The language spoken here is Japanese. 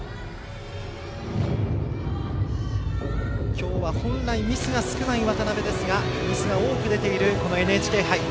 今日は本来ミスが少ない渡部ですがミスが多く出ているＮＨＫ杯。